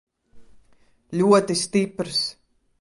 Ļoti stiprs.